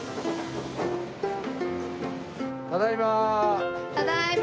ただいま。